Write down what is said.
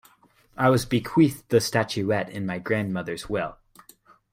I was bequeathed the statuette in my grandmother's will.